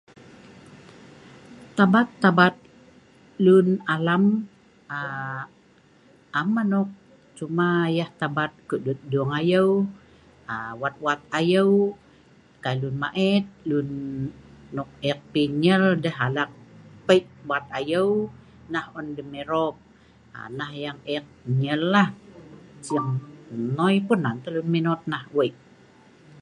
Tabat-tabat lun alam aa am anok, cuma yah tabat kohdut dung ayeu, aa wat-wat ayeu, kai lun maet, lun nok ek pi nyel deh alak Pei' wat ayeu nah on deh mirop, aa nah yang ek nyellah, sing noi pun nan tah lun minot nah wei'.